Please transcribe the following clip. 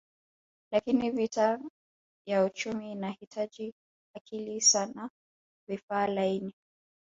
Lakini vita ya uchumi inahitaji akili sana vifaa laini